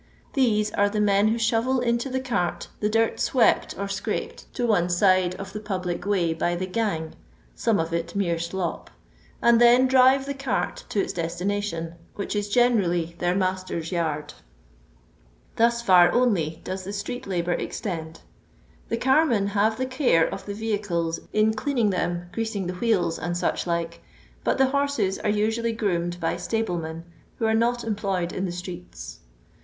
These are the men who shovel into the cart the dirt swept or scimped to one No. XXXIX. 218 LONDON LABOUR AND THE LONDON POOSL ^de of tbe public way by tbe gang (•ome of it mere slop), and then drive the cart to its diMi nation, which is generally their masters yard. Thus &r only does the streat IaboV extend. The carmen have the care of the vehicles in cleaning them, greasing the wheels, and such like, but the horses are usually groomed by stablemen, who are not employed in the streets.